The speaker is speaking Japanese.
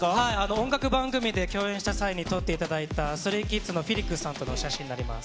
音楽番組で共演した際に撮っていただいた、ＳｔｒａｙＫｉｄｓのフェリックスさんとのお写真になります。